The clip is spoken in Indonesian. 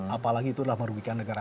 apalagi itu adalah merugikan negara